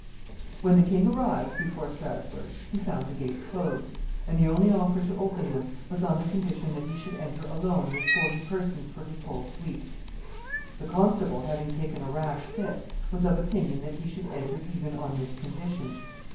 When the king arrived before Strasbourg he found the gates closed, and the only offer to open them was on the condition that he should enter alone with forty persons for his whole suite. The constable, having taken a rash fit, was of opinion that he should enter even on this condition.